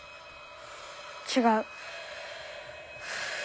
・違う。